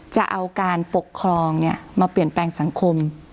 จะเอาการปกครองมาเปลี่ยนแปลงสังคม